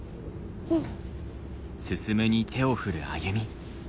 うん。